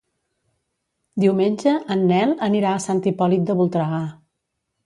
Diumenge en Nel anirà a Sant Hipòlit de Voltregà.